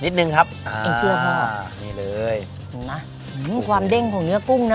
นิดนึงครับอ่านี่เลยน่ะหื้มความเด้งของเนื้อกุ้งนะ